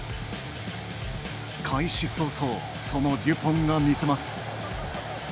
開始早々そのデュポンが見せます。